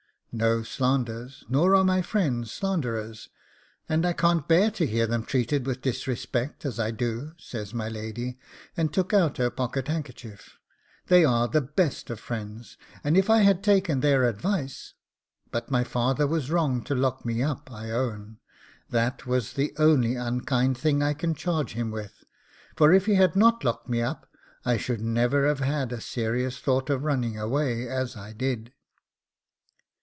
'No slanders, nor are my friends slanderers; and I can't bear to hear them treated with disrespect as I do,' says my lady, and took out her pocket handkerchief; 'they are the best of friends, and if I had taken their advice But my father was wrong to lock me up, I own. That was the only unkind thing I can charge him with; for if he had not locked me up, I should never have had a serious thought of running away as I did.